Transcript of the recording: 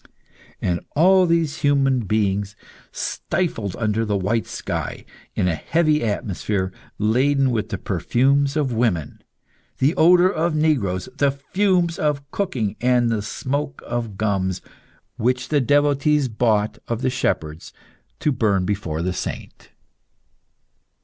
And all these human beings stifled under the white sky, in a heavy atmosphere laden with the perfumes of women, the odour of negroes, the fumes of cooking and the smoke of gums, which the devotees bought of the shepherds to burn before the saint.